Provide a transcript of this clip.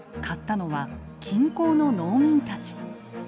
買ったのは近郊の農民たち。